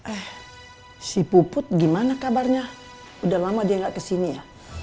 eh si puput gimana kabarnya udah lama dia gak kesini ya